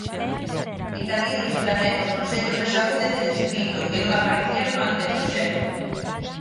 Engadíronse tamén os consellos de saúde de distrito, que non aparecían no anteproxecto.